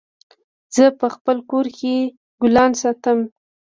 زه په خپل کور کي ګلان ساتم